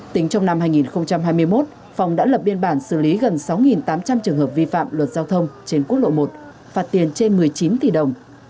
tính trong năm hai nghìn hai mươi một phòng đã lập biên bản xử lý gần sáu tám trăm linh trường hợp vi phạm luật giao thông trên quốc lộ một phạt tiền trên một mươi chín tỷ đồng